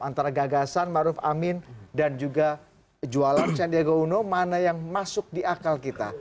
antara gagasan maruf amin dan juga jualan sandiaga uno mana yang masuk di akal kita